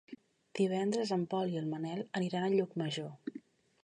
Divendres en Pol i en Manel aniran a Llucmajor.